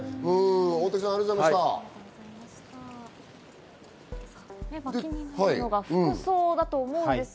大竹さん、ありがとうございました。